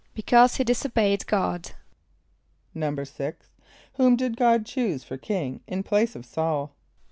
=Because he disobeyed God.= =6.= Whom did God choose for king in place of S[a:]ul?